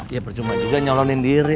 ya percuma juga nyalonin diri